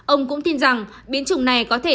ông cũng tin rằng biến chủng này có thể